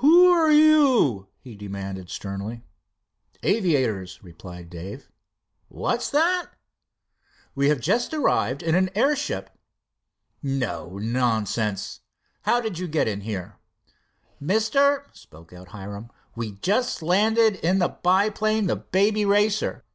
"Who are you?" he demanded sternly. "Aviators," replied Dave. "What's that?" "We just arrived in an airship." "No nonsense. How did you get in here?" "Mister," spoke out Hiram, "we just landed in the biplane, the Baby Racer.